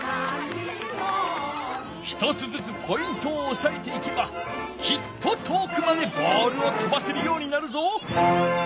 １つずつポイントをおさえていけばきっと遠くまでボールを飛ばせるようになるぞ。